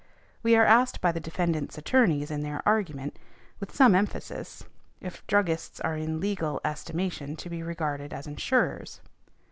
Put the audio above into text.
We are asked by the defendants' attorneys in their argument, with some emphasis, if druggists are in legal estimation, to be regarded as insurers.